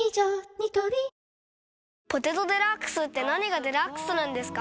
ニトリ「ポテトデラックス」って何がデラックスなんですか？